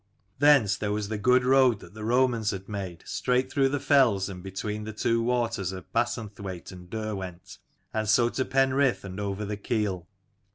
Thence there was the good road that the Romans had made, straight through the fells and between the two waters of Bassenthwaite and Derwent, and so to Penrith, and over the Keel.